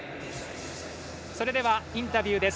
それではインタビューです。